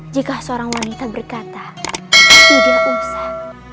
jika seorang wanita berkata tidak usah